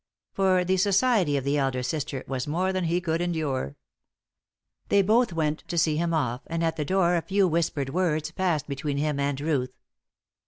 For the society of the elder sister was more than he could endure. They both went to see him off, and at the door a few whispered words passed between him and Ruth.